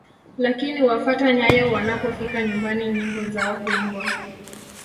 Lakini wafata nyayo wanapofika nyumbani nyimbo zao huimbwa